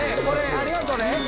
これありがとね。